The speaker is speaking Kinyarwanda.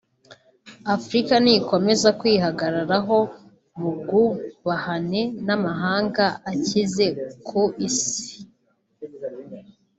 Afurika nikomeza kwihagararaho mu bwubahane n’amahanga akize ku isi